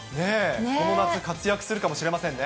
この夏、活躍するかもしれませんね。